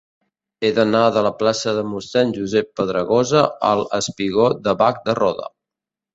He d'anar de la plaça de Mossèn Josep Pedragosa al espigó de Bac de Roda.